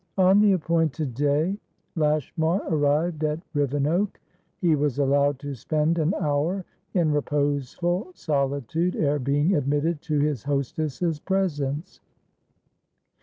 On the appointed day, Lashmar arrived at Rivenoak. He was allowed to spend an hour in reposeful solitude ere being admitted to his hostess's presence.